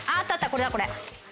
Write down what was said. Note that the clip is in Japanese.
これだこれ。